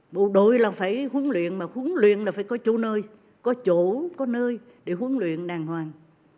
bộ đội là phải huấn luyện mà huấn luyện là phải có chỗ nơi có chỗ có nơi để huấn luyện đàng hoàng